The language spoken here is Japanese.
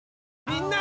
みんな！